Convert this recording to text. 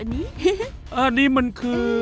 อันนี้มันคือ